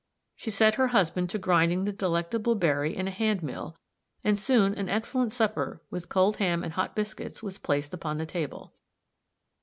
She set her husband to grinding the delectable berry in a hand mill, and soon an excellent supper, with cold ham and hot biscuits, was placed upon the table.